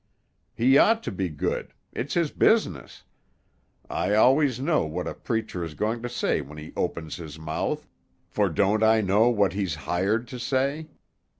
He ought to be good; it's his business. I always know what a preacher is going to say when he opens his mouth, for don't I know what he's hired to say?